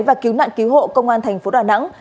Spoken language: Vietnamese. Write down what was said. và cứu nạn cứu hộ công an tp đà nẵng